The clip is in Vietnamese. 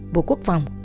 bộ quốc phòng